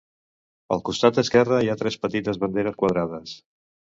Al costat esquerre, hi ha tres petites banderes quadrades.